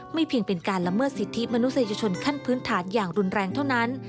เพียงเป็นการละเมิดสิทธิมนุษยชนขั้นพื้นฐานอย่างรุนแรงเท่านั้น